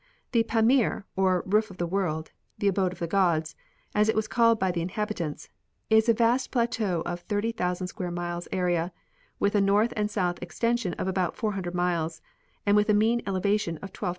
The Pamir, or '' roof of the world "—" the abode of the Gods," as it was called by the inhabitants — is a vast plateau of 30,000 square miles area, Avith a north and south extension of about 400 miles, and with a mean elevation of 12,000 feet.